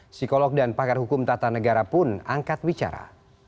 psikolog dan pakar hukum tata negara pun angkat bicara